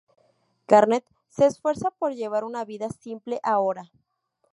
Garnett se esfuerza por llevar una vida simple ahora.